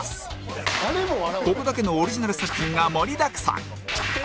ここだけのオリジナル作品が盛りだくさん